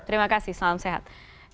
terima kasih salam sehat